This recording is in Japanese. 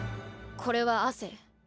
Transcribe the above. これは汗。